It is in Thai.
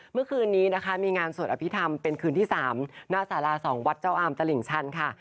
เมื่อคืนนี้นะคะมีงานสวดอภิษฐรรมเป็นคืนที่๓หน้าสารา๒วัดเจ้าอามตลิ่งชันค่ะ